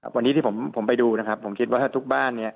วันนี้ที่ผมไปดูนะครับผมคิดว่าถ้าทุกบ้านเนี่ย